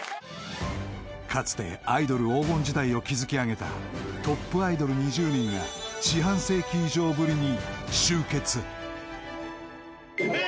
［かつてアイドル黄金時代を築き上げたトップアイドル２０人が四半世紀以上ぶりに集結］